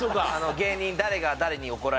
芸人。